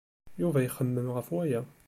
Yuba ixemmem ɣef waya.